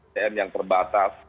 ketem yang terbatas